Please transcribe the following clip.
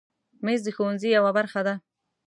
مېز د ښوونځي یوه برخه ده.